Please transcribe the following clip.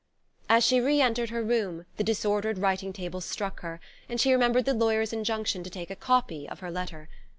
As she re entered her room, the disordered writing table struck her; and she remembered the lawyer's injunction to take a copy of her letter.